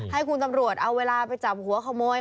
ให้คุณตำรวจเอาเวลาไปจับหัวขโมย